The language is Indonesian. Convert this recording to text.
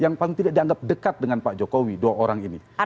yang paling tidak dianggap dekat dengan pak jokowi dua orang ini